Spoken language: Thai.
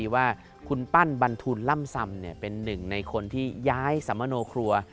ว่าคุณปั้นบันทุนล่ำซำเป็นหนึ่งในคนที่ย้ายสมโนครัว